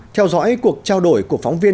theo dõi cuộc trao đổi của phóng viên